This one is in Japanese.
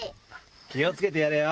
気を付けてやれよ。